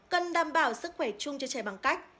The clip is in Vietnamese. cần đảm bảo sức khỏe chung cho trẻ bằng cách